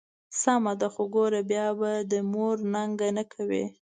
سمه ده، خو ګوره بیا به د مور ننګه نه کوې.